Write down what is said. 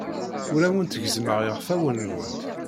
Ur awent-gezzmeɣ iɣfawen-nwent.